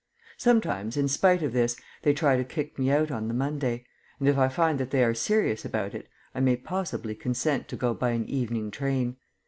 Sometimes, in spite of this, they try to kick me out on the Monday; and if I find that they are serious about it I may possibly consent to go by an evening train.